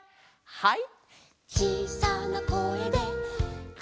はい。